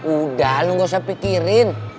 udah lu gak usah pikirin